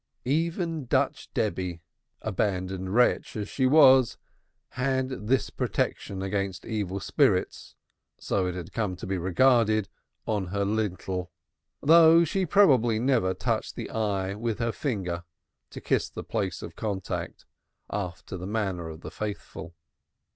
Even Dutch Debby, abandoned wretch as she was, had this protection against evil spirits (so it has come to be regarded) on her lintel, though she probably never touched the eye with her finger to kiss the place of contact after the manner of the faithful.